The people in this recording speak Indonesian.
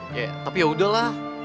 ya tapi yaudahlah